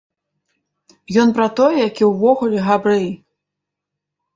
Ён пра тое, які, увогуле, габрэй.